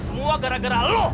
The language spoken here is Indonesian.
semua gara gara lo